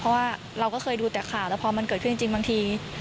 เพราะว่าเราก็เคยดูแต่ข่าวแล้วพอมันเกิดขึ้นจริงบางที